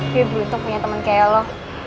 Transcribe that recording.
gue belum tentu punya temen kaya lo